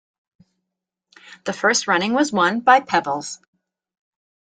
The first running was won by Pebbles.